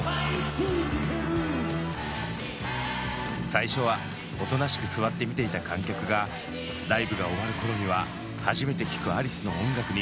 最初はおとなしく座って見ていた観客がライブが終わる頃には初めて聴くアリスの音楽に大興奮！